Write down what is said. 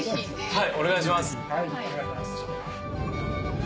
はい。